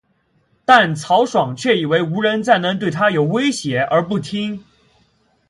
但曹爽却以为无人再能对他有威胁而不听。